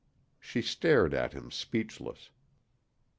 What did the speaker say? She stared at him, speechless.